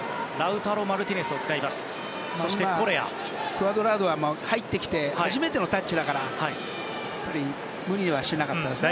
クアドラードは、入ってきて初めてのタッチだったから無理はしなかったですね。